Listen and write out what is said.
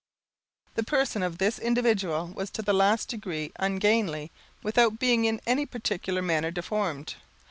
The person of this individual was to the last degree ungainly, without being in any particular manner deformed.